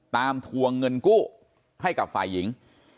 ทวงเงินกู้ให้กับฝ่ายหญิง